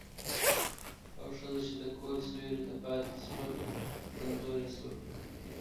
او ښځه چې د کور سيوري ته پاتې شوه، کمزورې شوه.